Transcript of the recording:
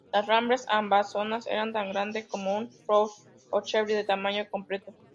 Los Rambler Ambassadors eran tan grandes como un Ford o Chevy de tamaño completo.